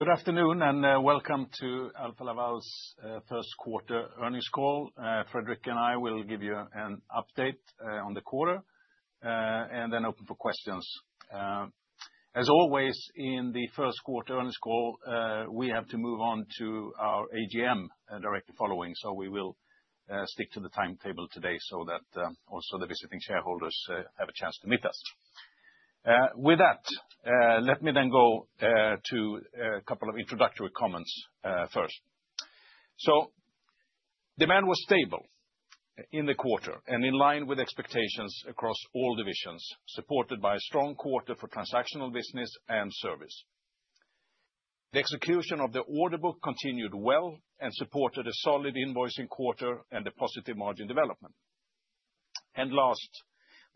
Good afternoon and welcome to Alfa Laval's first quarter earnings call. Fredrik and I will give you an update on the quarter and then open for questions. As always, in the first quarter earnings call, we have to move on to our AGM directly following, so we will stick to the timetable today so that also the visiting shareholders have a chance to meet us. With that, let me then go to a couple of introductory comments first. Demand was stable in the quarter and in line with expectations across all divisions, supported by a strong quarter for transactional business and service. The execution of the order book continued well and supported a solid invoicing quarter and a positive margin development. Last,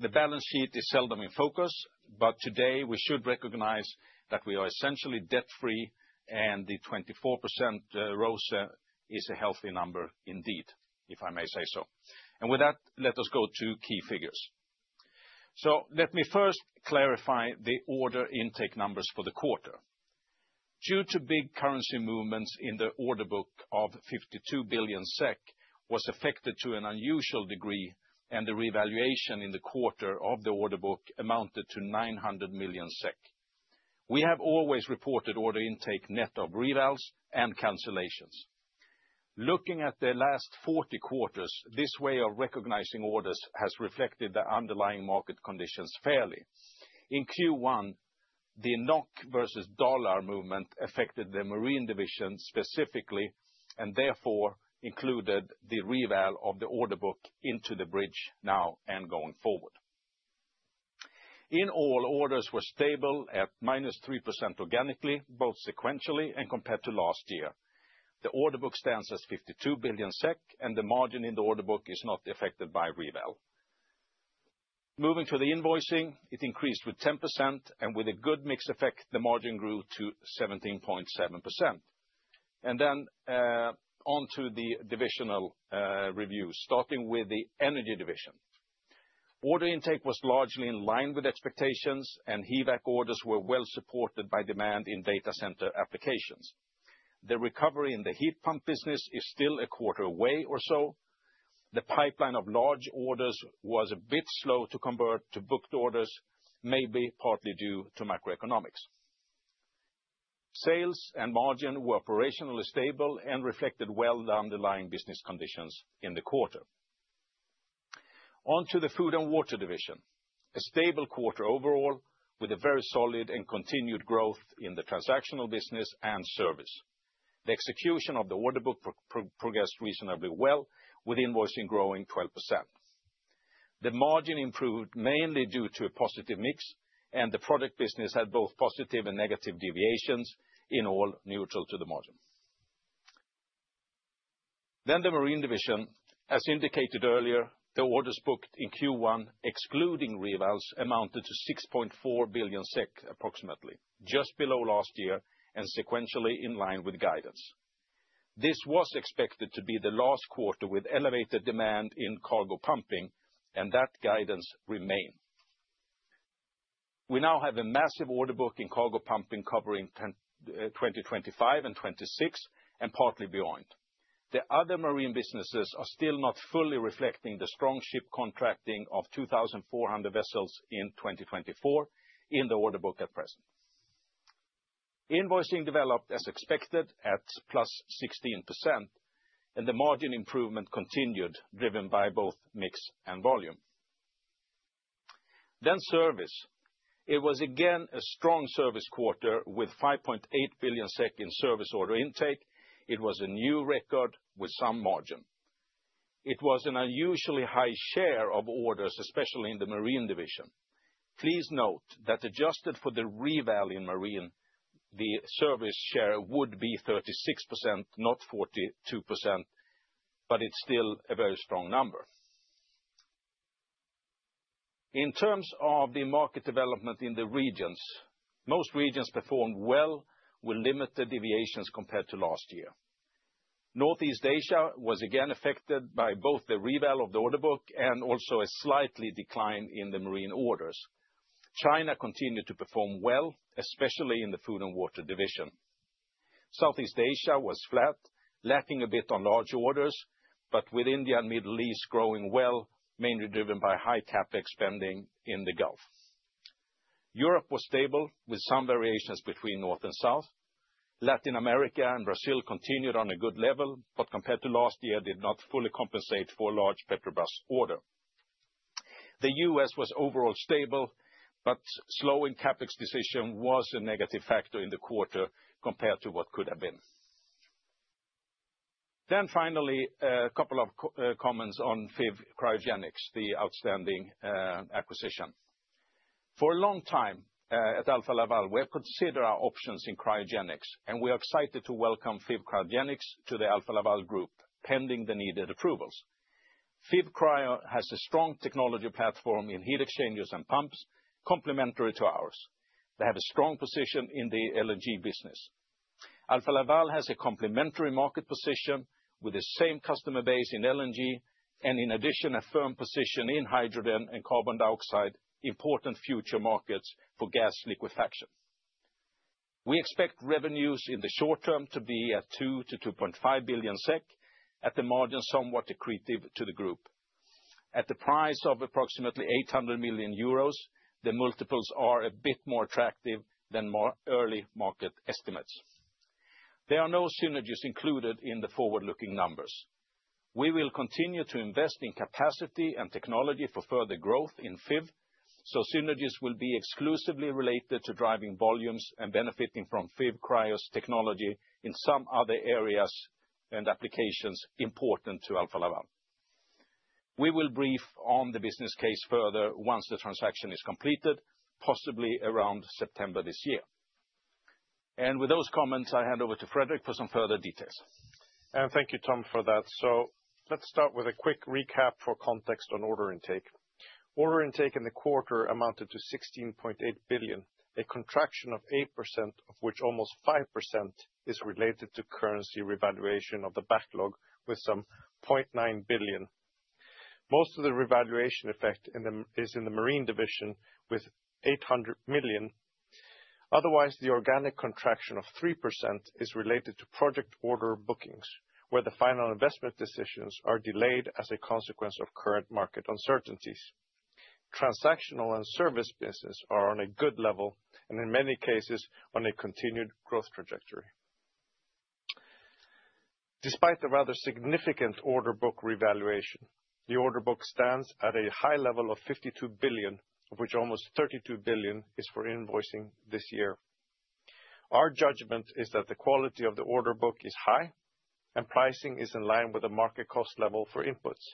the balance sheet is seldom in focus, but today we should recognize that we are essentially debt-free and the 24% ROCE is a healthy number indeed, if I may say so. With that, let us go to key figures. Let me first clarify the order intake numbers for the quarter. Due to big currency movements in the order book of 52 billion SEK, it was affected to an unusual degree, and the revaluation in the quarter of the order book amounted to 900 million SEK. We have always reported order intake net of revals and cancellations. Looking at the last 40 quarters, this way of recognizing orders has reflected the underlying market conditions fairly. In Q1, the NOK versus dollar movement affected the marine division specifically and therefore included the reval of the order book into the bridge now and going forward. In all, orders were stable at -3% organically, both sequentially and compared to last year. The order book stands at 52 billion SEK, and the margin in the order book is not affected by reval. Moving to the invoicing, it increased with 10%, and with a good mix effect, the margin grew to 17.7%. On to the divisional review, starting with the energy division. Order intake was largely in line with expectations, and HVAC orders were well supported by demand in data center applications. The recovery in the heat pump business is still a quarter away or so. The pipeline of large orders was a bit slow to convert to booked orders, maybe partly due to macroeconomics. Sales and margin were operationally stable and reflected well the underlying business conditions in the quarter. On to the food and water division. A stable quarter overall, with a very solid and continued growth in the transactional business and service. The execution of the order book progressed reasonably well, with invoicing growing 12%. The margin improved mainly due to a positive mix, and the product business had both positive and negative deviations, in all neutral to the margin. The marine division. As indicated earlier, the orders booked in Q1, excluding revals, amounted to 6.4 billion SEK approximately, just below last year and sequentially in line with guidance. This was expected to be the last quarter with elevated demand in cargo pumping, and that guidance remained. We now have a massive order book in cargo pumping covering 2025 and 2026 and partly beyond. The other marine businesses are still not fully reflecting the strong ship contracting of 2,400 vessels in 2024 in the order book at present. Invoicing developed as expected at +16%, and the margin improvement continued, driven by both mix and volume. Service was again a strong service quarter with 5.8 billion SEK in service order intake. It was a new record with some margin. It was an unusually high share of orders, especially in the marine division. Please note that adjusted for the reval in marine, the service share would be 36%, not 42%, but it's still a very strong number. In terms of the market development in the regions, most regions performed well with limited deviations compared to last year. Northeast Asia was again affected by both the reval of the order book and also a slight decline in the marine orders. China continued to perform well, especially in the food and water division. Southeast Asia was flat, lapping a bit on large orders, but with India and the Middle East growing well, mainly driven by high capex spending in the Gulf. Europe was stable with some variations between north and south. Latin America and Brazil continued on a good level, but compared to last year, did not fully compensate for large Petrobras order. The US was overall stable, but slowing capex decision was a negative factor in the quarter compared to what could have been. Finally, a couple of comments on Fives Cryogenics, the outstanding acquisition. For a long time at Alfa Laval, we have considered our options in cryogenics, and we are excited to welcome Fives Cryogenics to the Alfa Laval Group, pending the needed approvals. Fives Cryogenics has a strong technology platform in heat exchangers and pumps, complementary to ours. They have a strong position in the LNG business. Alfa Laval has a complementary market position with the same customer base in LNG and, in addition, a firm position in hydrogen and carbon dioxide, important future markets for gas liquefaction. We expect revenues in the short term to be at 2 billion-2.5 billion SEK, at a margin somewhat accretive to the group. At the price of approximately 800 million euros, the multiples are a bit more attractive than early market estimates. There are no synergies included in the forward-looking numbers. We will continue to invest in capacity and technology for further growth in Fives Cryogenics, so synergies will be exclusively related to driving volumes and benefiting from Fives Cryogenics' technology in some other areas and applications important to Alfa Laval. We will brief on the business case further once the transaction is completed, possibly around September this year. With those comments, I hand over to Fredrik for some further details. Thank you, Tom, for that. Let's start with a quick recap for context on order intake. Order intake in the quarter amounted to 16.8 billion, a contraction of 8%, of which almost 5% is related to currency revaluation of the backlog with some 0.9 billion. Most of the revaluation effect is in the marine division with 800 million. Otherwise, the organic contraction of 3% is related to project order bookings, where the final investment decisions are delayed as a consequence of current market uncertainties. Transactional and service business are on a good level and, in many cases, on a continued growth trajectory. Despite the rather significant order book revaluation, the order book stands at a high level of 52 billion, of which almost 32 billion is for invoicing this year. Our judgment is that the quality of the order book is high and pricing is in line with the market cost level for inputs.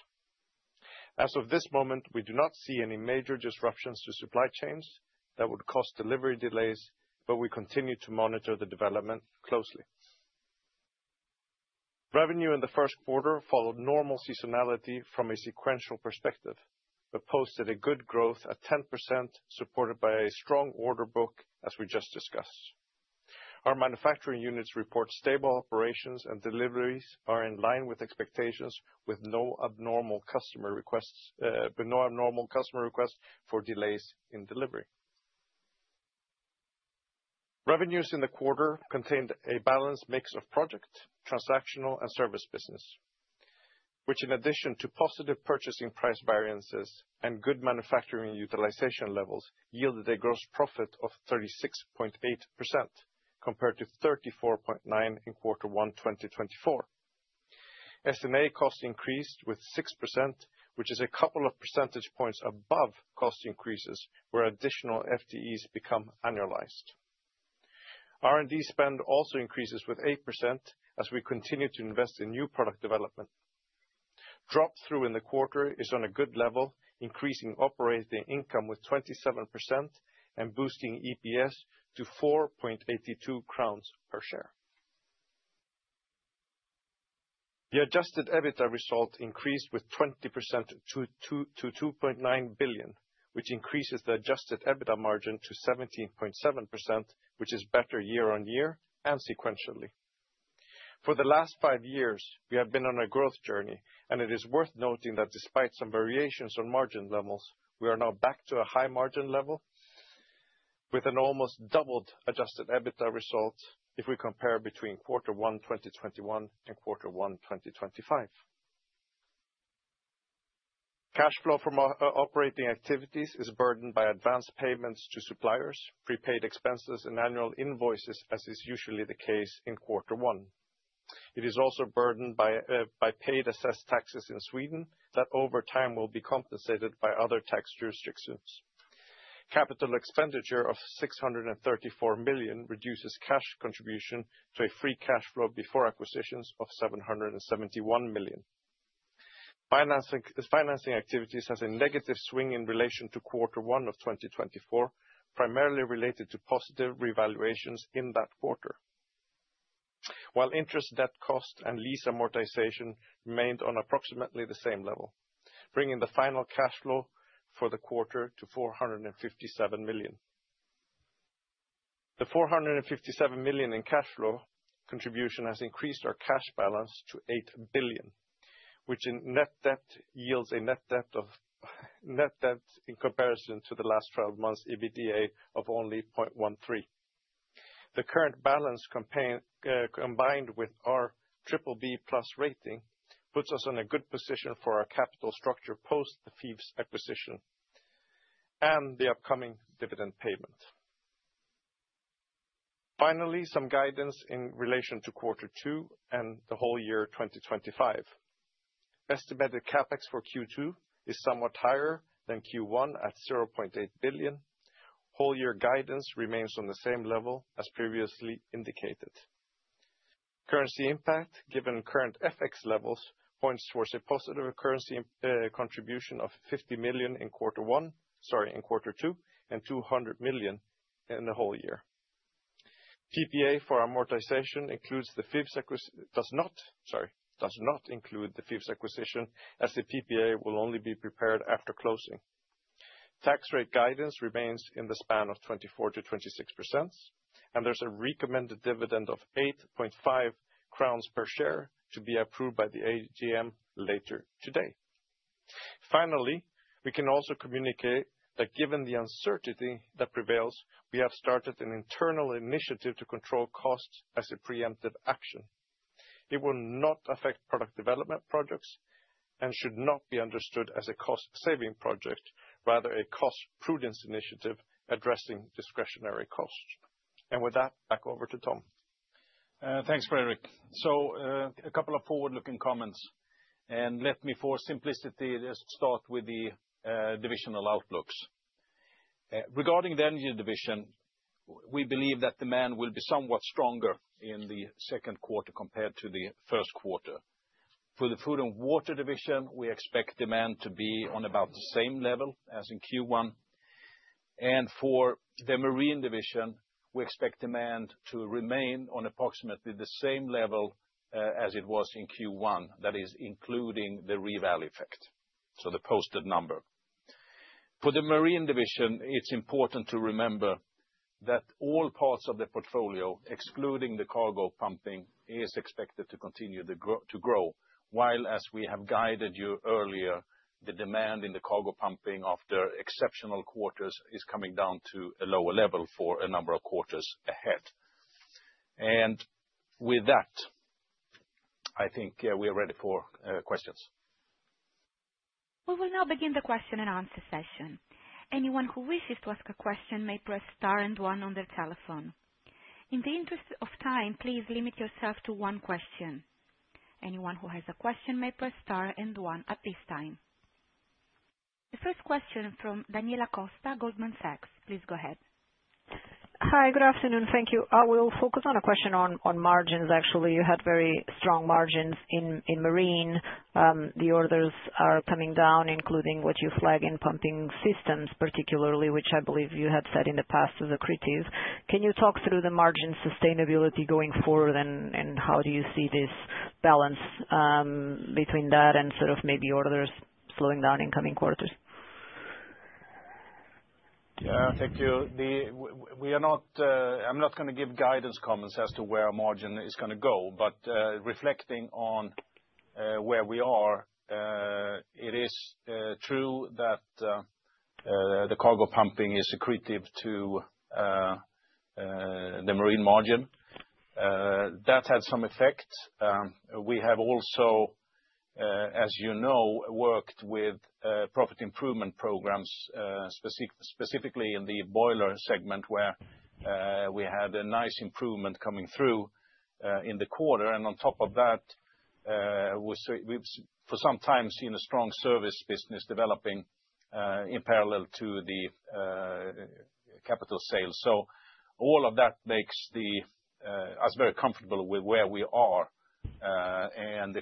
As of this moment, we do not see any major disruptions to supply chains that would cause delivery delays, but we continue to monitor the development closely. Revenue in the first quarter followed normal seasonality from a sequential perspective, but posted a good growth at 10%, supported by a strong order book, as we just discussed. Our manufacturing units report stable operations, and deliveries are in line with expectations, with no abnormal customer requests for delays in delivery. Revenues in the quarter contained a balanced mix of project, transactional, and service business, which, in addition to positive purchasing price variances and good manufacturing utilization levels, yielded a gross profit of 36.8% compared to 34.9% in quarter one 2024. SMA cost increased with 6%, which is a couple of percentage points above cost increases where additional FTEs become annualized. R&D spend also increases with 8% as we continue to invest in new product development. Drop-through in the quarter is on a good level, increasing operating income with 27% and boosting EPS to 4.82 crowns per share. The adjusted EBITDA result increased with 20% to 2.9 billion, which increases the adjusted EBITDA margin to 17.7%, which is better year on year and sequentially. For the last five years, we have been on a growth journey, and it is worth noting that despite some variations on margin levels, we are now back to a high margin level with an almost doubled adjusted EBITDA result if we compare between quarter one 2021 and quarter one 2025. Cash flow from operating activities is burdened by advance payments to suppliers, prepaid expenses, and annual invoices, as is usually the case in quarter one. It is also burdened by paid assessed taxes in Sweden that, over time, will be compensated by other tax jurisdictions. Capital expenditure of 634 million reduces cash contribution to a free cash flow before acquisitions of 771 million. Financing activities has a negative swing in relation to quarter one of 2024, primarily related to positive revaluations in that quarter, while interest, debt cost, and lease amortization remained on approximately the same level, bringing the final cash flow for the quarter to 457 million. The 457 million in cash flow contribution has increased our cash balance to 8 billion, which in net debt yields a net debt in comparison to the last 12 months' EBITDA of only 0.13. The current balance, combined with our BBB plus rating, puts us in a good position for our capital structure post the Fives Cryogenics acquisition and the upcoming dividend payment. Finally, some guidance in relation to quarter two and the whole year 2025. Estimated CapEx for Q2 is somewhat higher than Q1 at 0.8 billion. Whole year guidance remains on the same level as previously indicated. Currency impact, given current FX levels, points towards a positive currency contribution of 50 million in quarter two and 200 million in the whole year. PPA for amortization does not include the Fives Cryogenics acquisition, as the PPA will only be prepared after closing. Tax rate guidance remains in the span of 24-26%, and there is a recommended dividend of 8.5 crowns per share to be approved by the AGM later today. Finally, we can also communicate that, given the uncertainty that prevails, we have started an internal initiative to control costs as a preemptive action. It will not affect product development projects and should not be understood as a cost-saving project, rather a cost prudence initiative addressing discretionary costs. With that, back over to Tom. Thanks, Fredrik. A couple of forward-looking comments. Let me, for simplicity, just start with the divisional outlooks. Regarding the energy division, we believe that demand will be somewhat stronger in the second quarter compared to the first quarter. For the food and water division, we expect demand to be on about the same level as in Q1. For the marine division, we expect demand to remain on approximately the same level as it was in Q1, that is, including the reval effect, so the posted number. For the marine division, it is important to remember that all parts of the portfolio, excluding the cargo pumping, are expected to continue to grow, while, as we have guided you earlier, the demand in the cargo pumping after exceptional quarters is coming down to a lower level for a number of quarters ahead. I think we are ready for questions. We will now begin the question and answer session. Anyone who wishes to ask a question may press star and one on their telephone. In the interest of time, please limit yourself to one question. Anyone who has a question may press star and one at this time. The first question is from Daniela Costa, Goldman Sachs. Please go ahead. Hi, good afternoon. Thank you. I will focus on a question on margins, actually. You had very strong margins in marine. The orders are coming down, including what you flag in pumping systems, particularly, which I believe you have said in the past is accretive. Can you talk through the margin sustainability going forward, and how do you see this balance between that and sort of maybe orders slowing down in coming quarters? Yeah, thank you. I'm not going to give guidance comments as to where margin is going to go, but reflecting on where we are, it is true that the cargo pumping is accretive to the marine margin. That had some effect. We have also, as you know, worked with profit improvement programs, specifically in the boiler segment, where we had a nice improvement coming through in the quarter. On top of that, we've for some time seen a strong service business developing in parallel to the capital sales. All of that makes us very comfortable with where we are and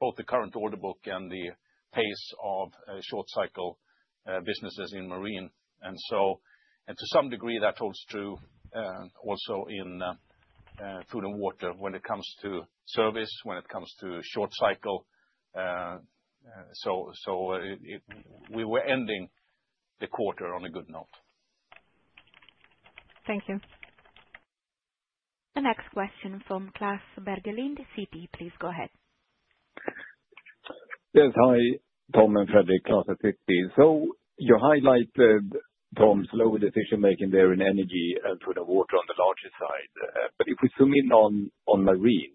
both the current order book and the pace of short-cycle businesses in marine. To some degree, that holds true also in food and water when it comes to service, when it comes to short-cycle. We were ending the quarter on a good note. Thank you. The next question from Klas Bergelind, Citi. Please go ahead. Yes, hi. Tom and Fredrik, Klaas and CP. You highlighted, Tom, slow decision-making there in energy and food and water on the larger side. If we zoom in on marine,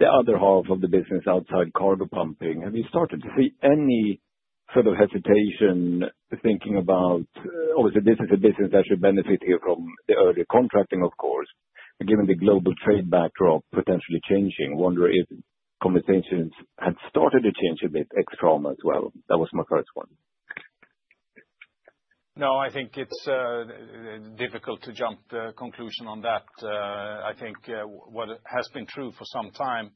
the other half of the business outside cargo pumping, have you started to see any sort of hesitation thinking about, obviously, this is a business that should benefit here from the early contracting, of course. Given the global trade backdrop potentially changing, I wonder if conversations had started to change a bit ex-TROM as well? That was my first one. No, I think it's difficult to jump to a conclusion on that. I think what has been true for some time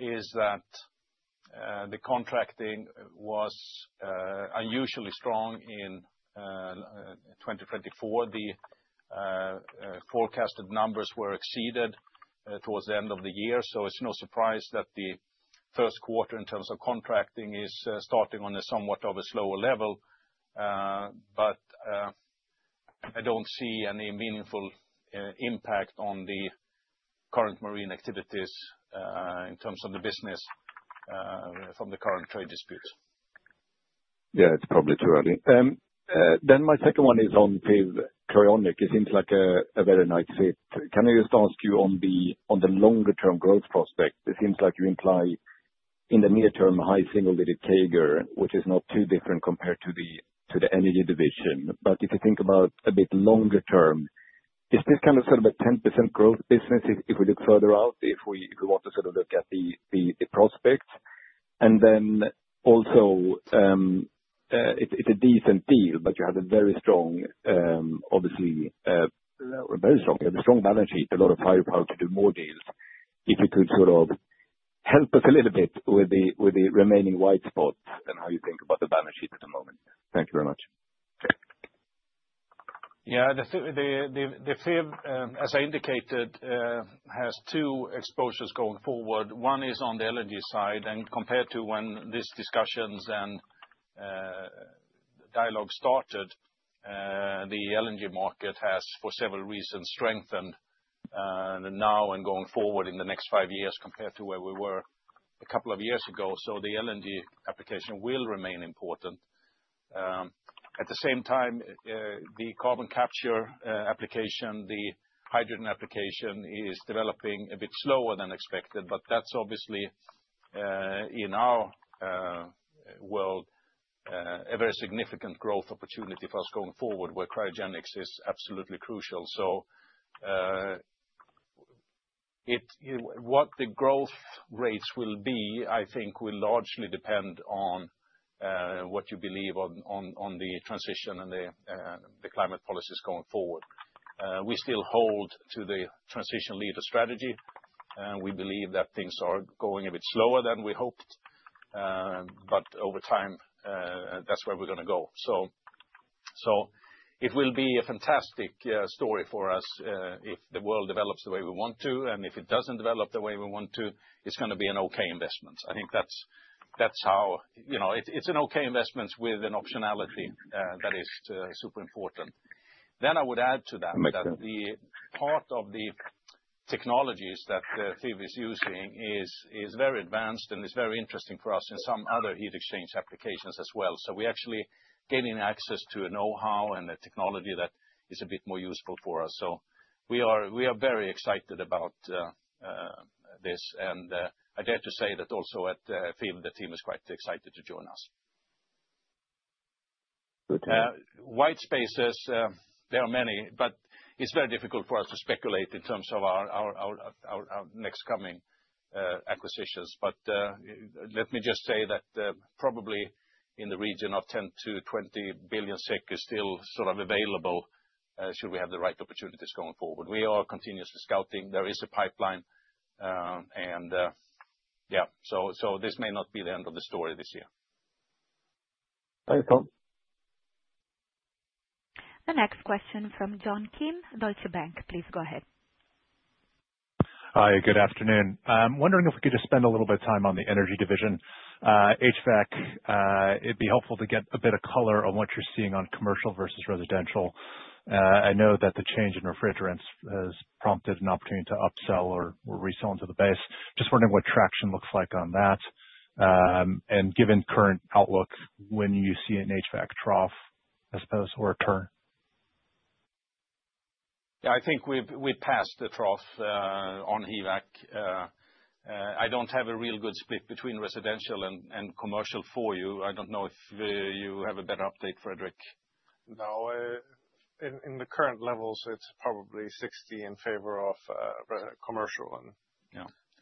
is that the contracting was unusually strong in 2024. The forecasted numbers were exceeded towards the end of the year. It is no surprise that the first quarter, in terms of contracting, is starting on a somewhat slower level. I don't see any meaningful impact on the current marine activities in terms of the business from the current trade disputes. Yeah, it's probably too early. My second one is on Fives Cryogenics. It seems like a very nice fit. Can I just ask you on the longer-term growth prospect? It seems like you imply in the near term, high single-digit CAGR, which is not too different compared to the energy division. If you think about a bit longer term, is this kind of sort of a 10% growth business if we look further out, if we want to sort of look at the prospects? Also, it's a decent deal, but you have a very strong, obviously, a very strong balance sheet, a lot of firepower to do more deals. If you could sort of help us a little bit with the remaining white spots and how you think about the balance sheet at the moment. Thank you very much. Yeah, the Fives, as I indicated, has two exposures going forward. One is on the LNG side. Compared to when these discussions and dialogue started, the LNG market has, for several reasons, strengthened now and going forward in the next five years compared to where we were a couple of years ago. The LNG application will remain important. At the same time, the carbon capture application, the hydrogen application, is developing a bit slower than expected. That is obviously, in our world, a very significant growth opportunity for us going forward, where cryogenics is absolutely crucial. What the growth rates will be, I think, will largely depend on what you believe on the transition and the climate policies going forward. We still hold to the transition leader strategy. We believe that things are going a bit slower than we hoped. Over time, that's where we're going to go. It will be a fantastic story for us if the world develops the way we want to. If it doesn't develop the way we want to, it's going to be an okay investment. I think that's how it's an okay investment with an optionality that is super important. I would add to that that the part of the technologies that Fives is using is very advanced and is very interesting for us in some other heat exchange applications as well. We're actually gaining access to a know-how and a technology that is a bit more useful for us. We are very excited about this. I dare to say that also at Fives, the team is quite excited to join us. Good to hear. White spaces, there are many, but it's very difficult for us to speculate in terms of our next coming acquisitions. Let me just say that probably in the region of 10 billion-20 billion SEK is still sort of available should we have the right opportunities going forward. We are continuously scouting. There is a pipeline. Yeah, this may not be the end of the story this year. Thanks, Tom. The next question from John Kim, Deutsche Bank. Please go ahead. Hi, good afternoon. I'm wondering if we could just spend a little bit of time on the energy division. HVAC, it'd be helpful to get a bit of color on what you're seeing on commercial versus residential. I know that the change in refrigerants has prompted an opportunity to upsell or resell into the base. Just wondering what traction looks like on that. Given current outlook, when do you see an HVAC trough, I suppose, or a turn? Yeah, I think we've passed the trough on HVAC. I don't have a real good split between residential and commercial for you. I don't know if you have a better update, Fredrik. No. In the current levels, it's probably 60% in favor of commercial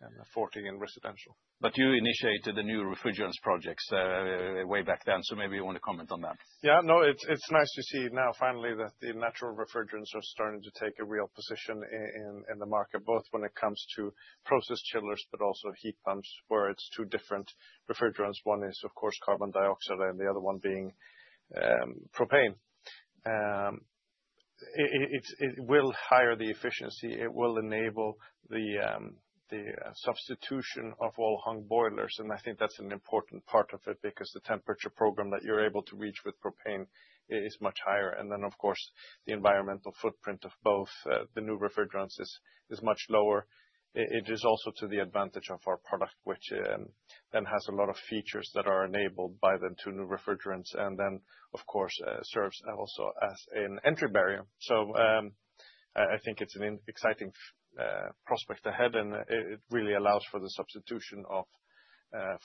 and 40% in residential. You initiated the new refrigerants projects way back then. Maybe you want to comment on that. Yeah. No, it's nice to see now finally that the natural refrigerants are starting to take a real position in the market, both when it comes to process chillers, but also heat pumps, where it's two different refrigerants. One is, of course, carbon dioxide, and the other one being propane. It will higher the efficiency. It will enable the substitution of all hung boilers. I think that's an important part of it because the temperature program that you're able to reach with propane is much higher. Of course, the environmental footprint of both the new refrigerants is much lower. It is also to the advantage of our product, which then has a lot of features that are enabled by the two new refrigerants. Of course, it serves also as an entry barrier. I think it's an exciting prospect ahead. It really allows for the substitution of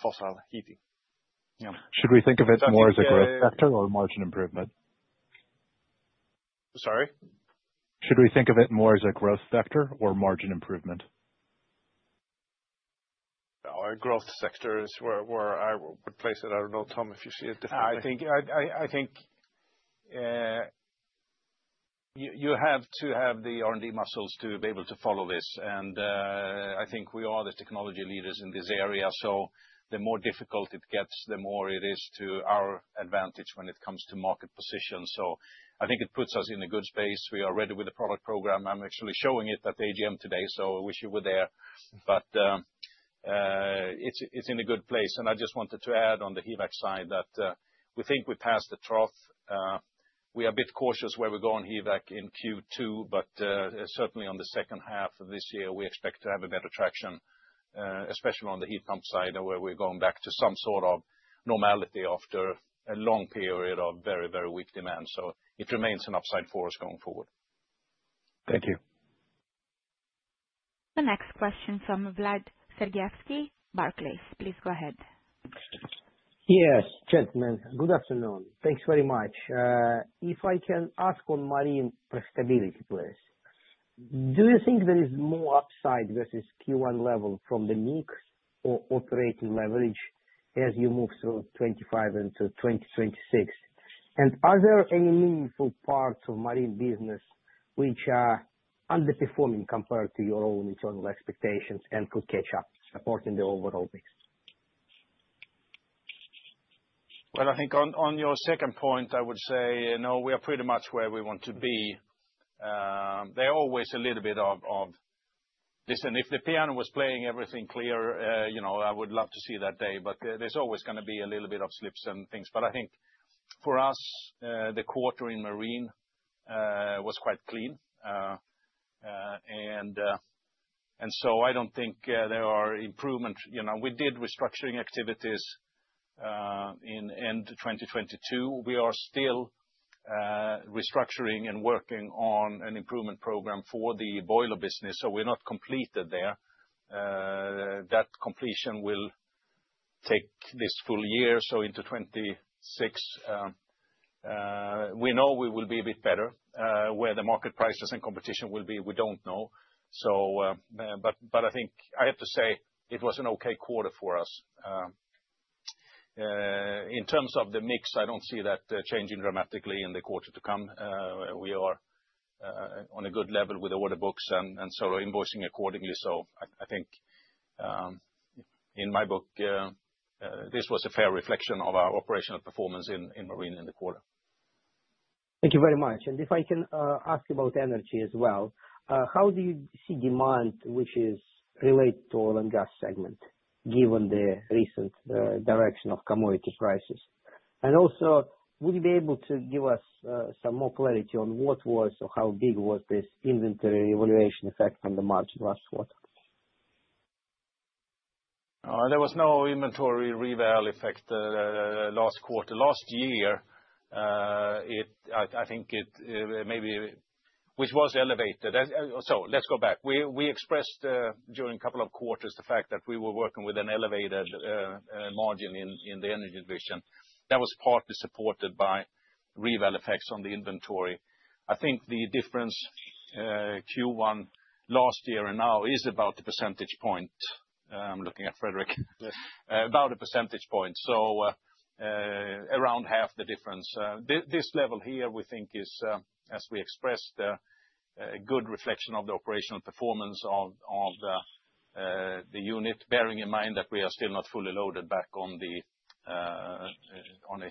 fossil heating. Yeah. Should we think of it more as a growth factor or margin improvement? Sorry? Should we think of it more as a growth factor or margin improvement? Our growth sector is where I would place it. I don't know, Tom, if you see a different way. I think you have to have the R&D muscles to be able to follow this. I think we are the technology leaders in this area. The more difficult it gets, the more it is to our advantage when it comes to market position. I think it puts us in a good space. We are ready with the product program. I'm actually showing it at AGM today, so I wish you were there. It is in a good place. I just wanted to add on the HVAC side that we think we passed the trough. We are a bit cautious where we go on HVAC in Q2, but certainly on the second half of this year, we expect to have better traction, especially on the heat pump side, where we're going back to some sort of normality after a long period of very, very weak demand. It remains an upside for us going forward. Thank you. The next question from Vlad Sergeevsky, Barclays. Please go ahead. Yes, gentlemen. Good afternoon. Thanks very much. If I can ask on marine profitability, please. Do you think there is more upside versus Q1 level from the mix or operating leverage as you move through 2025 into 2026? Are there any meaningful parts of marine business which are underperforming compared to your own internal expectations and could catch up, supporting the overall mix? I think on your second point, I would say, no, we are pretty much where we want to be. There are always a little bit of this. If the piano was playing everything clear, I would love to see that day. There is always going to be a little bit of slips and things. I think for us, the quarter in marine was quite clean. I do not think there are improvements. We did restructuring activities in the end of 2022. We are still restructuring and working on an improvement program for the boiler business. We are not completed there. That completion will take this full year, so into 2026. We know we will be a bit better. Where the market prices and competition will be, we do not know. I have to say it was an okay quarter for us. In terms of the mix, I do not see that changing dramatically in the quarter to come. We are on a good level with the order books and sort of invoicing accordingly. I think in my book, this was a fair reflection of our operational performance in marine in the quarter. Thank you very much. If I can ask about energy as well, how do you see demand, which is related to oil and gas segment, given the recent direction of commodity prices? Also, would you be able to give us some more clarity on what was or how big was this inventory evaluation effect on the margin last quarter? There was no inventory revalue effect last quarter. Last year, I think it maybe which was elevated. Let's go back. We expressed during a couple of quarters the fact that we were working with an elevated margin in the energy division. That was partly supported by revalue effects on the inventory. I think the difference Q1 last year and now is about a percentage point. I'm looking at Fredrik. About a percentage point. Around half the difference. This level here, we think, is, as we expressed, a good reflection of the operational performance of the unit, bearing in mind that we are still not fully loaded back on the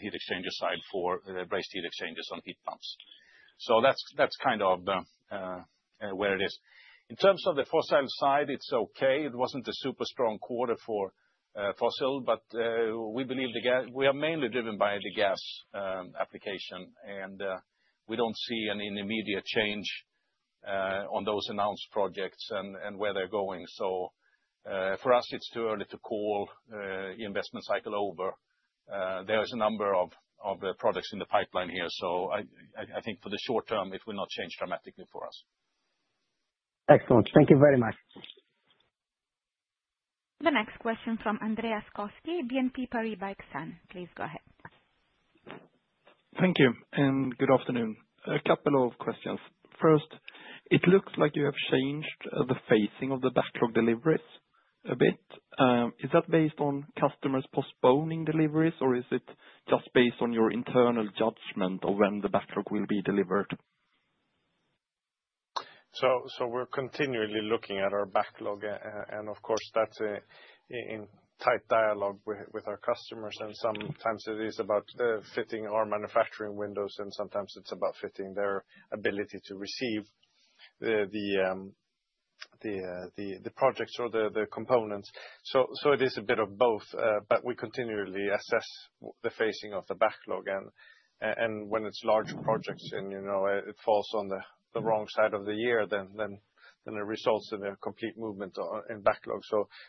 heat exchanger side for brazed heat exchangers on heat pumps. That's kind of where it is. In terms of the fossil side, it's okay. It wasn't a super strong quarter for fossil. We believe we are mainly driven by the gas application. We do not see an immediate change on those announced projects and where they are going. For us, it is too early to call the investment cycle over. There are a number of products in the pipeline here. I think for the short term, it will not change dramatically for us. Excellent. Thank you very much. The next question from Andreas Koski, BNP Paribas Exane. Please go ahead. Thank you. Good afternoon. A couple of questions. First, it looks like you have changed the phasing of the backlog deliveries a bit. Is that based on customers postponing deliveries, or is it just based on your internal judgment of when the backlog will be delivered? We're continually looking at our backlog. Of course, that's in tight dialogue with our customers. Sometimes it is about fitting our manufacturing windows, and sometimes it's about fitting their ability to receive the projects or the components. It is a bit of both. We continually assess the facing of the backlog. When it's large projects and it falls on the wrong side of the year, it results in a complete movement in backlog.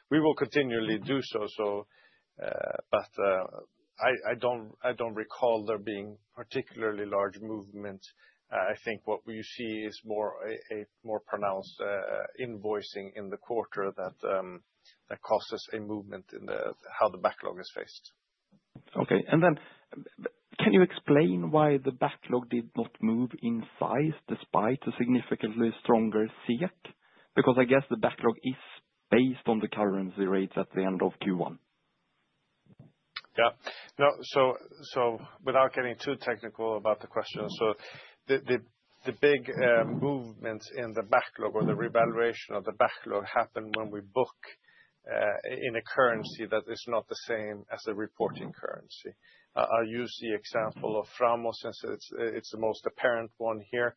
We will continually do so. I don't recall there being particularly large movements. I think what you see is more pronounced invoicing in the quarter that causes a movement in how the backlog is faced. Okay. Can you explain why the backlog did not move in size despite a significantly stronger CEAC? I guess the backlog is based on the currency rates at the end of Q1. Yeah. Without getting too technical about the question, the big movements in the backlog or the revaluation of the backlog happen when we book in a currency that is not the same as the reporting currency. I'll use the example of Framo since it's the most apparent one here.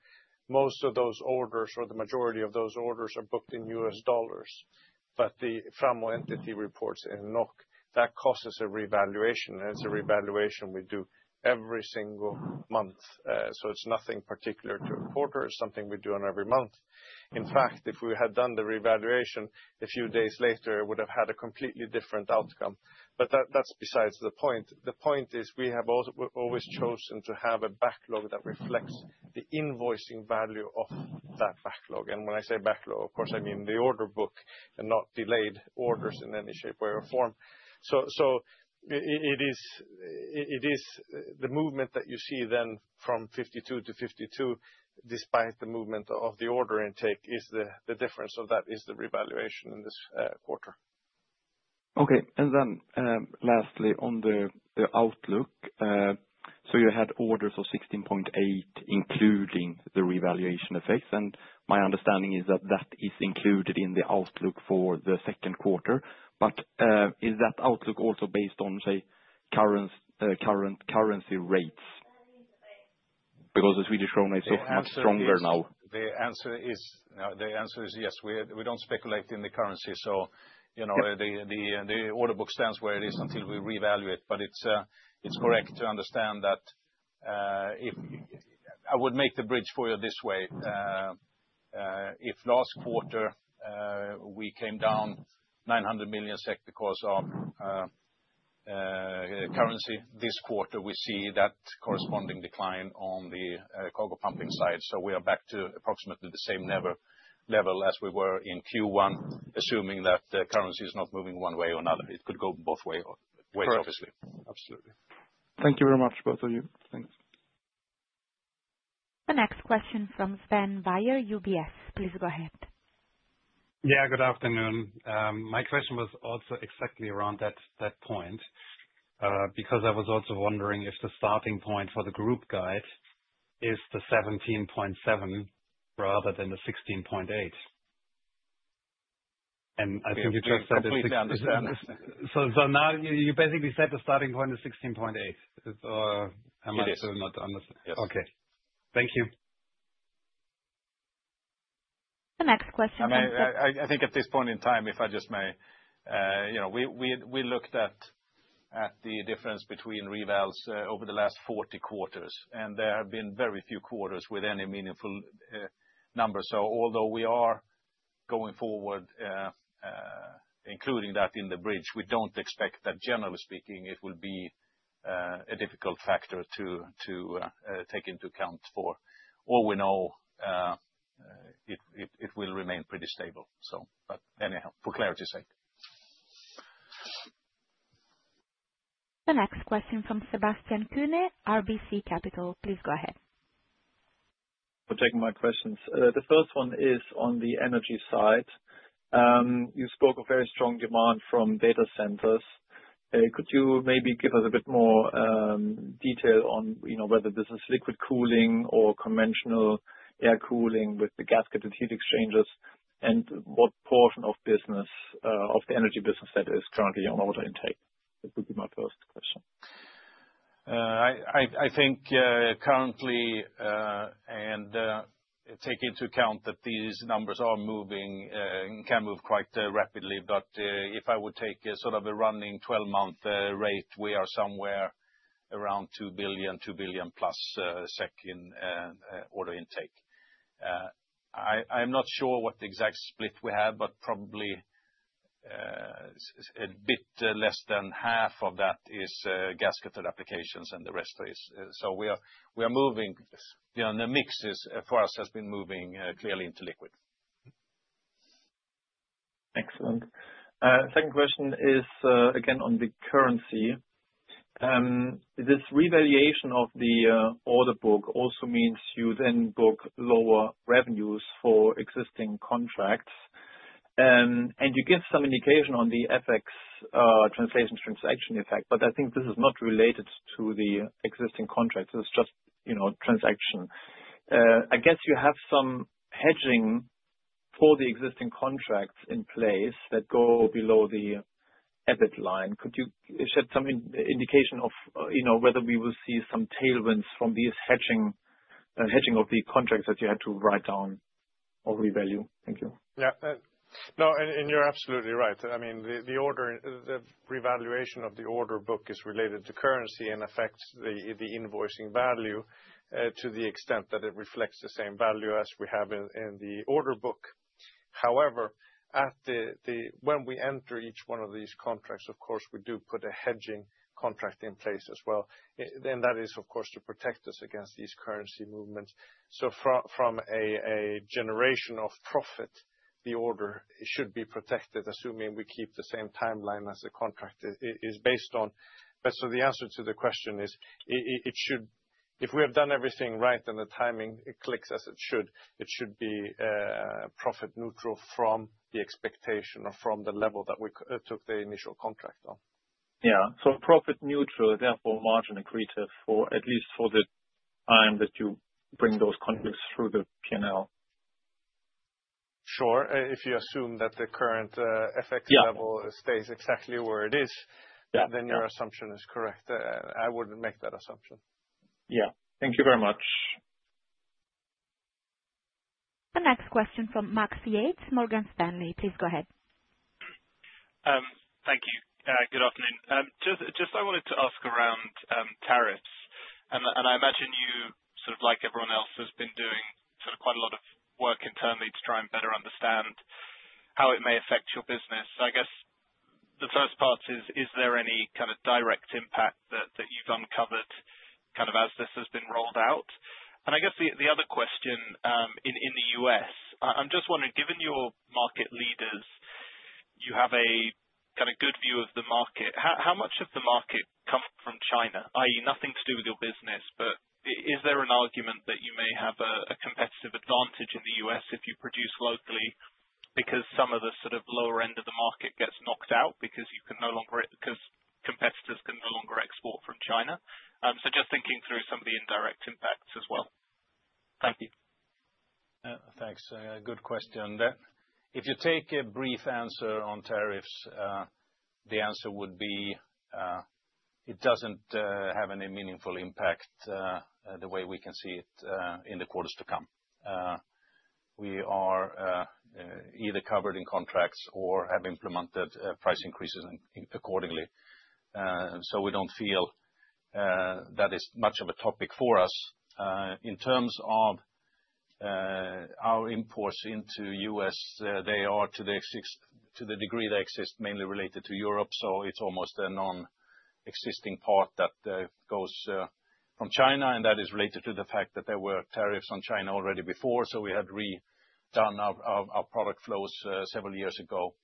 Most of those orders, or the majority of those orders, are booked in US dollars. The Framo entity reports in NOK. That causes a revaluation. It's a revaluation we do every single month. It's nothing particular to a quarter. It's something we do every month. In fact, if we had done the revaluation a few days later, it would have had a completely different outcome. That's beside the point. The point is we have always chosen to have a backlog that reflects the invoicing value of that backlog. When I say backlog, of course, I mean the order book and not delayed orders in any shape, way, or form. It is the movement that you see then from 52 to 52, despite the movement of the order intake, that is the difference. That is the revaluation in this quarter. Okay. Lastly, on the outlook, you had orders of 16.8 billion, including the revaluation effects. My understanding is that is included in the outlook for the second quarter. Is that outlook also based on, say, current currency rates? The Swedish krona is so much stronger now. The answer is yes. We do not speculate in the currency. The order book stands where it is until we revalue it. It is correct to understand that I would make the bridge for you this way. If last quarter we came down 900 million SEK because of currency, this quarter we see that corresponding decline on the cargo pumping side. We are back to approximately the same level as we were in Q1, assuming that the currency is not moving one way or another. It could go both ways, obviously. Sure. Absolutely. Thank you very much, both of you. Thanks. The next question from Sven Weier, UBS. Please go ahead. Yeah, good afternoon. My question was also exactly around that point because I was also wondering if the starting point for the group guide is the 17.7 rather than the 16.8. I think you just said the 16. You basically said the starting point is 16.8 billion. It is. I might still not understand. Yes. Okay. Thank you. The next question from Fredrik. I think at this point in time, if I just may, we looked at the difference between revals over the last 40 quarters. There have been very few quarters with any meaningful numbers. Although we are going forward, including that in the bridge, we do not expect that, generally speaking, it will be a difficult factor to take into account for. All we know, it will remain pretty stable. Anyhow, for clarity's sake. The next question from Sebastian Kuenne, RBC Capital. Please go ahead. For taking my questions. The first one is on the energy side. You spoke of very strong demand from data centers. Could you maybe give us a bit more detail on whether this is liquid cooling or conventional air cooling with the gasketed heat exchangers? What portion of the energy business that is currently on order intake? That would be my first question. I think currently, and take into account that these numbers can move quite rapidly. If I would take sort of a running 12-month rate, we are somewhere around 2 billion, 2 billion plus in order intake. I'm not sure what the exact split we have, but probably a bit less than half of that is gasketed applications and the rest is. We are moving, the mix for us has been moving clearly into liquid. Excellent. Second question is again on the currency. This revaluation of the order book also means you then book lower revenues for existing contracts. You give some indication on the FX translation transaction effect. I think this is not related to the existing contracts. It is just transaction. I guess you have some hedging for the existing contracts in place that go below the EBIT line. Could you shed some indication of whether we will see some tailwinds from this hedging of the contracts that you had to write down or revalue? Thank you. Yeah. No, and you're absolutely right. I mean, the revaluation of the order book is related to currency and affects the invoicing value to the extent that it reflects the same value as we have in the order book. However, when we enter each one of these contracts, of course, we do put a hedging contract in place as well. That is, of course, to protect us against these currency movements. From a generation of profit, the order should be protected, assuming we keep the same timeline as the contract is based on. The answer to the question is, if we have done everything right and the timing clicks as it should, it should be profit neutral from the expectation or from the level that we took the initial contract on. Yeah. Profit neutral, therefore margin accretive for at least for the time that you bring those contracts through the P&L. Sure. If you assume that the current FX level stays exactly where it is, then your assumption is correct. I would not make that assumption. Yeah. Thank you very much. The next question from Max Yates, Morgan Stanley. Please go ahead. Thank you. Good afternoon. I just wanted to ask around tariffs. I imagine you, sort of like everyone else, have been doing quite a lot of work internally to try and better understand how it may affect your business. I guess the first part is, is there any kind of direct impact that you've uncovered as this has been rolled out? I guess the other question in the US, I'm just wondering, given your market leaders, you have a kind of good view of the market. How much of the market comes from China, i.e., nothing to do with your business? Is there an argument that you may have a competitive advantage in the US if you produce locally because some of the sort of lower end of the market gets knocked out because competitors can no longer export from China? Just thinking through some of the indirect impacts as well. Thank you. Thanks. Good question. If you take a brief answer on tariffs, the answer would be it does not have any meaningful impact the way we can see it in the quarters to come. We are either covered in contracts or have implemented price increases accordingly. We do not feel that is much of a topic for us. In terms of our imports into the US, they are to the degree they exist mainly related to Europe. It is almost a non-existing part that goes from China. That is related to the fact that there were tariffs on China already before. We had redone our product flows several years ago.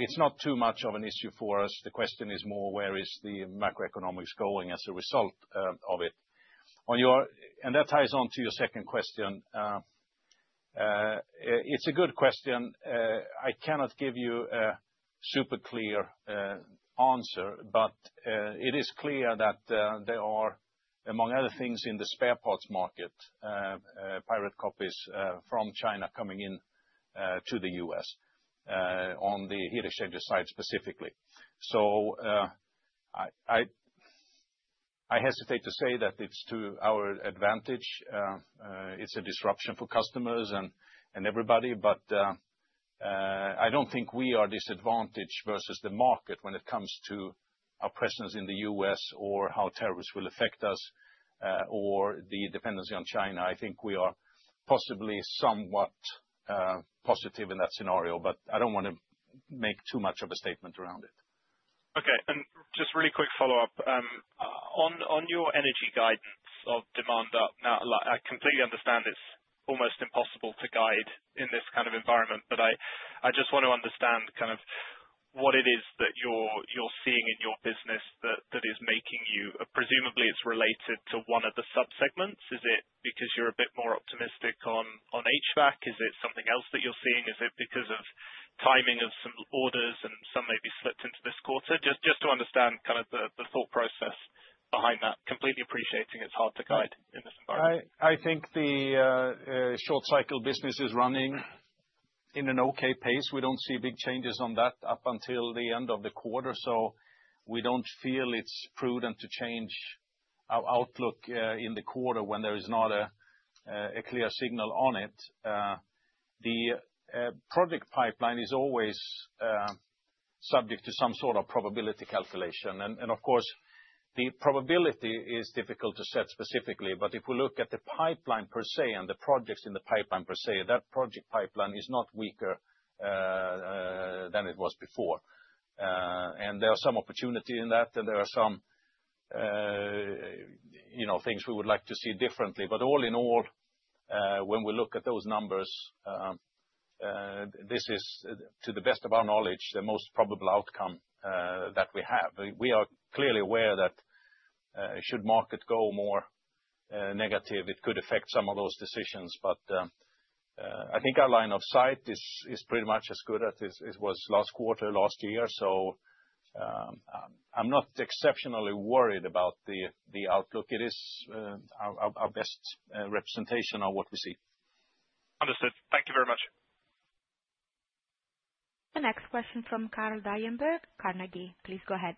It is not too much of an issue for us. The question is more, where is the macroeconomics going as a result of it? That ties on to your second question. It is a good question. I cannot give you a super clear answer. It is clear that there are, among other things, in the spare parts market, pirate copies from China coming into the US on the heat exchanger side specifically. I hesitate to say that it is to our advantage. It is a disruption for customers and everybody. I do not think we are disadvantaged versus the market when it comes to our presence in the US or how tariffs will affect us or the dependency on China. I think we are possibly somewhat positive in that scenario. I do not want to make too much of a statement around it. Okay. Just really quick follow-up. On your energy guidance of demand up, I completely understand it's almost impossible to guide in this kind of environment. I just want to understand kind of what it is that you're seeing in your business that is making you, presumably it's related to one of the subsegments. Is it because you're a bit more optimistic on HVAC? Is it something else that you're seeing? Is it because of timing of some orders and some may be slipped into this quarter? Just to understand kind of the thought process behind that. Completely appreciating it's hard to guide in this environment. I think the short-cycle business is running in an okay pace. We don't see big changes on that up until the end of the quarter. We don't feel it's prudent to change our outlook in the quarter when there is not a clear signal on it. The project pipeline is always subject to some sort of probability calculation. Of course, the probability is difficult to set specifically. If we look at the pipeline per se and the projects in the pipeline per se, that project pipeline is not weaker than it was before. There are some opportunities in that. There are some things we would like to see differently. All in all, when we look at those numbers, this is, to the best of our knowledge, the most probable outcome that we have. We are clearly aware that should market go more negative, it could affect some of those decisions. I think our line of sight is pretty much as good as it was last quarter, last year. I am not exceptionally worried about the outlook. It is our best representation of what we see. Understood. Thank you very much. The next question from Karl Dalienberg, Carnegie. Please go ahead.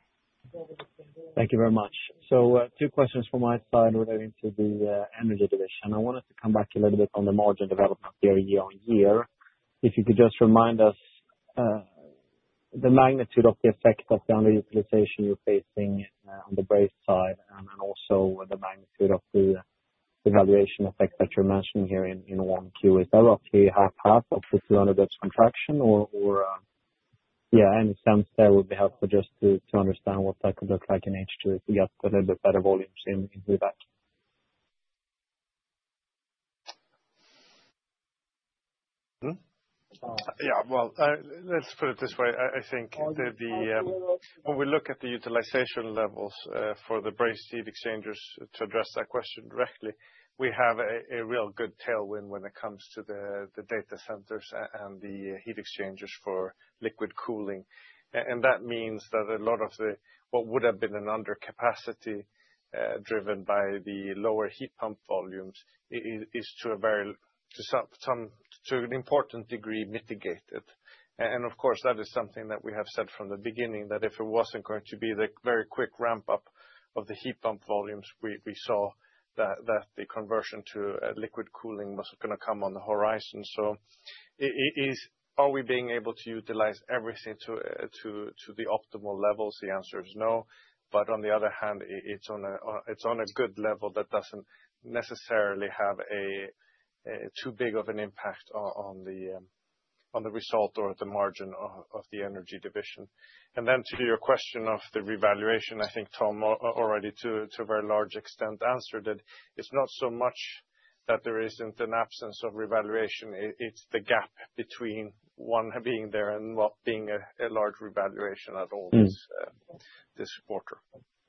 Thank you very much. Two questions from my side relating to the energy division. I wanted to come back a little bit on the margin development here year on year. If you could just remind us the magnitude of the effect of the underutilization you're facing on the brazed side and also the magnitude of the revaluation effect that you're mentioning here in Q1. Is that roughly half-half of the 200 basis points contraction? Or, yeah, in a sense, that would be helpful just to understand what that could look like in H2 if we got a little bit better volumes in the back. Yeah. Let's put it this way. I think when we look at the utilization levels for the brazed heat exchangers to address that question directly, we have a real good tailwind when it comes to the data centers and the heat exchangers for liquid cooling. That means that a lot of what would have been an undercapacity driven by the lower heat pump volumes is to an important degree mitigated. Of course, that is something that we have said from the beginning that if it was not going to be the very quick ramp-up of the heat pump volumes, we saw that the conversion to liquid cooling was going to come on the horizon. Are we being able to utilize everything to the optimal levels? The answer is no. On the other hand, it's on a good level that doesn't necessarily have too big of an impact on the result or the margin of the energy division. Then to your question of the revaluation, I think Tom already to a very large extent answered it. It's not so much that there isn't an absence of revaluation. It's the gap between one being there and not being a large revaluation at all this quarter.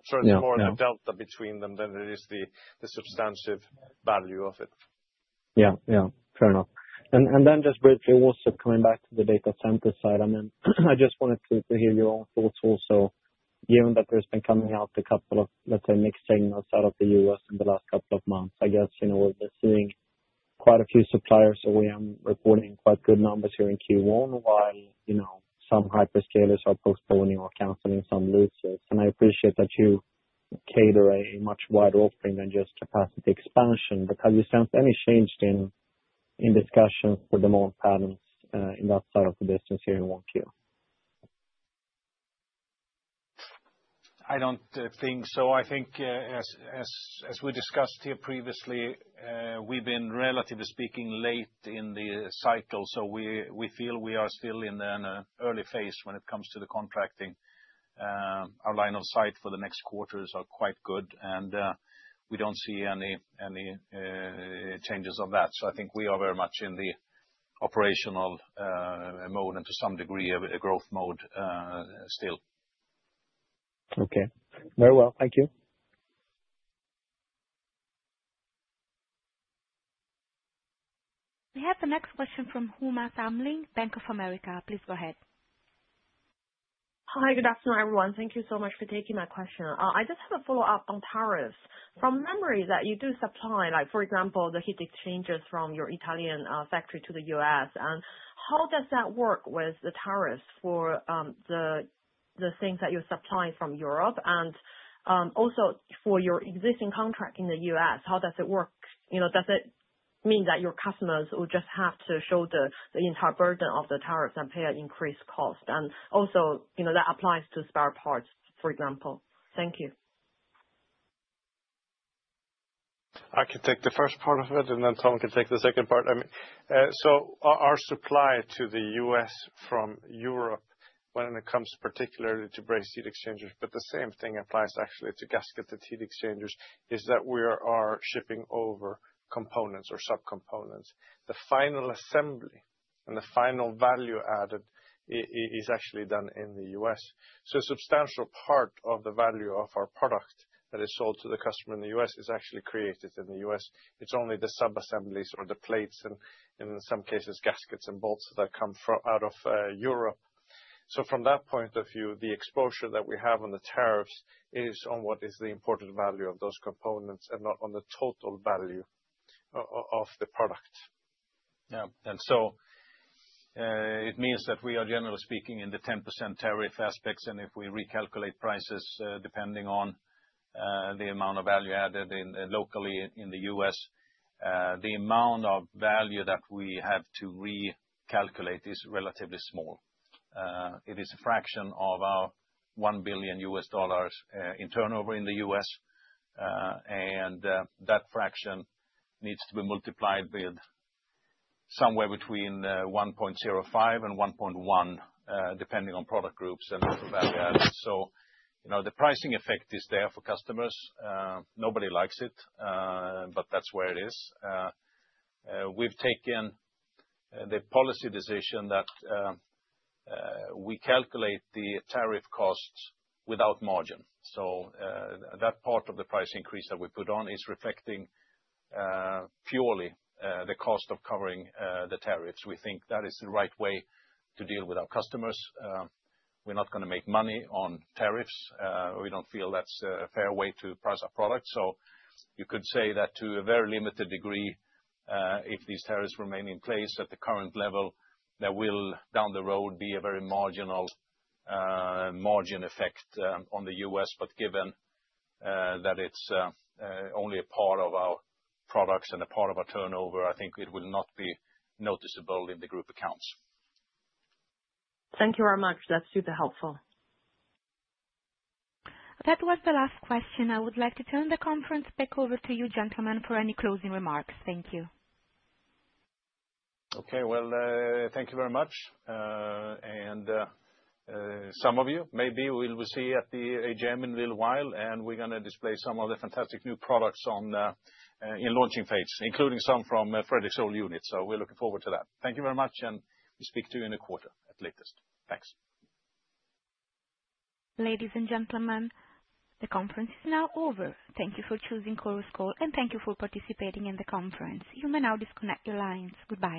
It's more the delta between them than it is the substantive value of it. Yeah. Yeah. Fair enough. Then just briefly also coming back to the data center side, I mean, I just wanted to hear your own thoughts also. Given that there's been coming out a couple of, let's say, mixed signals out of the US in the last couple of months, I guess we've been seeing quite a few suppliers, OEM, reporting quite good numbers here in Q1 while some hyperscalers are postponing or canceling some leases. I appreciate that you cater a much wider offering than just capacity expansion. Have you sensed any change in discussions for demand patterns in that side of the business here in one Q? I don't think so. I think as we discussed here previously, we've been relatively speaking late in the cycle. We feel we are still in an early phase when it comes to the contracting. Our line of sight for the next quarter is quite good. We don't see any changes of that. I think we are very much in the operational mode and to some degree a growth mode still. Okay. Very well. Thank you. We have the next question from Huma Thamling, Bank of America. Please go ahead. Hi. Good afternoon, everyone. Thank you so much for taking my question. I just have a follow-up on tariffs. From memory, you do supply, for example, the heat exchangers from your Italian factory to the US. How does that work with the tariffs for the things that you're supplying from Europe and also for your existing contract in the US? How does it work? Does it mean that your customers will just have to show the entire burden of the tariffs and pay an increased cost? That also applies to spare parts, for example. Thank you. I can take the first part of it. Then Tom can take the second part. I mean, our supply to the US from Europe when it comes particularly to brazed heat exchangers, but the same thing applies actually to gasketed heat exchangers, is that we are shipping over components or subcomponents. The final assembly and the final value added is actually done in the US. A substantial part of the value of our product that is sold to the customer in the US is actually created in the US. It's only the subassemblies or the plates and in some cases gaskets and bolts that come out of Europe. From that point of view, the exposure that we have on the tariffs is on what is the important value of those components and not on the total value of the product. Yeah. It means that we are generally speaking in the 10% tariff aspects. If we recalculate prices depending on the amount of value added locally in the US, the amount of value that we have to recalculate is relatively small. It is a fraction of our $1 billion in turnover in the US. That fraction needs to be multiplied with somewhere between 1.05 and 1.1 depending on product groups and the value added. The pricing effect is there for customers. Nobody likes it. That's where it is. We've taken the policy decision that we calculate the tariff costs without margin. That part of the price increase that we put on is reflecting purely the cost of covering the tariffs. We think that is the right way to deal with our customers. We're not going to make money on tariffs. We do not feel that is a fair way to price our product. You could say that to a very limited degree, if these tariffs remain in place at the current level, there will down the road be a very marginal margin effect on the US. Given that it is only a part of our products and a part of our turnover, I think it will not be noticeable in the group accounts. Thank you very much. That's super helpful. That was the last question. I would like to turn the conference back over to you, gentlemen, for any closing remarks. Thank you. Thank you very much. Some of you maybe we will see at the AGM in a little while. We are going to display some of the fantastic new products in launching phase, including some from Fredrik's old unit. We are looking forward to that. Thank you very much. We speak to you in a quarter at the latest. Thanks. Ladies and gentlemen, the conference is now over. Thank you for choosing Chorus Call. Thank you for participating in the conference. You may now disconnect your lines. Goodbye.